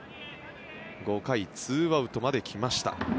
５回２アウトまで来ました。